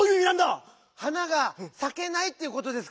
「はながさけない」っていうことですかね？